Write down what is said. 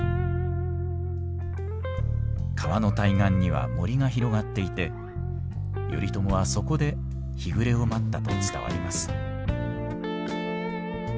川の対岸には森が広がっていて頼朝はそこで日暮れを待ったと伝わります。